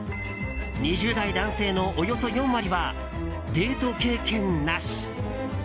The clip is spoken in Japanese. ２０代男性のおよそ４割はデート経験なし。